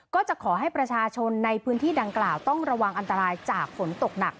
ก็จะขอให้ประชาชนในพื้นที่ดังกล่าวต้องระวังอันตรายจากฝนตกหนัก